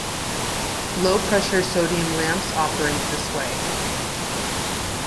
Low pressure sodium lamps operate this way.